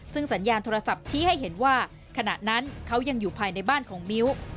ซึ่งสัญญาณโทรศัพท์ชี้ให้เห็นว่าขณะนั้นเขายังอยู่ภายในบ้านของมิ้ว